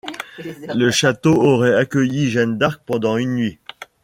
Le château aurait accueilli Jeanne d'Arc pendant une nuit.